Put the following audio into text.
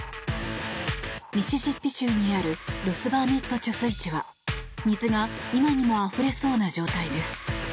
ミシシッピ州にあるロスバーネット貯水池は水が今にもあふれそうな状態です。